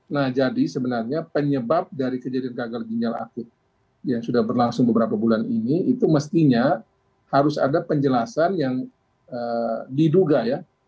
nah jadi sebenarnya penyebab dari kejadian gagal ginjal akut yang sudah berlangsung beberapa bulan ini itu mestinya harus ada penjelasan yang diduga ya